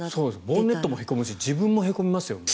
ボンネットもへこむし自分もへこみますよね。